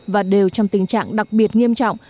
và đều trong tình trạng đặc biệt nghiêm trọng